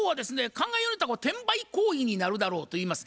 考えようによっては転売行為になるだろうといいます。